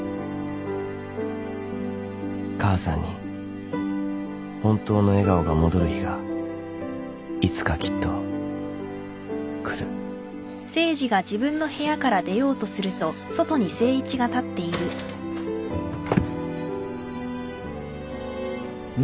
［母さんに本当の笑顔が戻る日がいつかきっと来る］よいしょ。